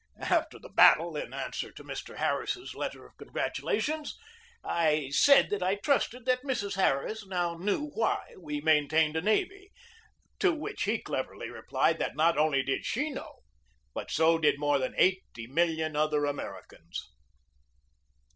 After the battle, in answer to Mr. Harris's letter of congratulation, I said that I trusted that Mrs. Harris now knew why we maintained a navy, to which he cleverly replied that not only did she know, but so did more than eighty million other Americans.